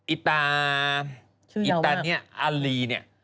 อิตาอิตาเนี่ยอารีเนี่ย